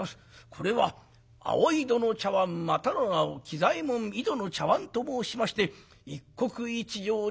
これは『青井戸の茶碗』またの名を『喜左衛門井戸の茶碗』と申しまして一国一城にも代え難き品。